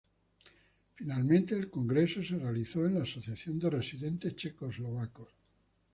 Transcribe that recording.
Finalmente el congreso se realizó en la Asociación de Residentes Checoslovacos.